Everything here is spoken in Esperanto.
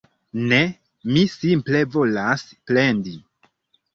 Ne, mi simple volas plendi